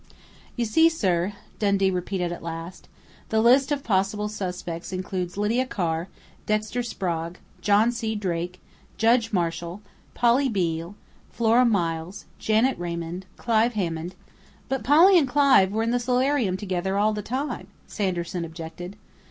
"You see, sir," Dundee repeated at last, "the list of possible suspects includes Lydia Carr, Dexter Sprague, John C. Drake, Judge Marshall, Polly Beale, Flora Miles, Janet Raymond, Clive Hammond " "But Polly and Clive were in the solarium together all the time!" Sanderson objected.